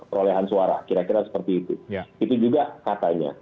perolehan suara kira kira seperti itu itu juga katanya